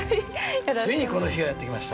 ついにこの日がやってきました。